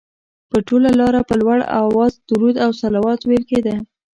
پر ټوله لاره په لوړ اواز درود او صلوات ویل کېده.